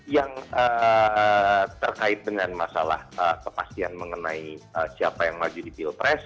yang terkait dengan masalah kepastian mengenai siapa yang maju di pilpres